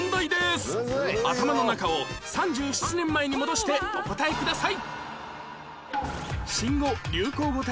頭の中を３７年前に戻してお答えください